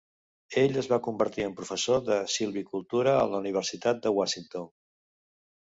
Ell es va convertir en professor de silvicultura a la Universitat de Washington.